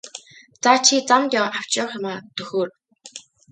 За чи замд авч явах юмаа төхөөр!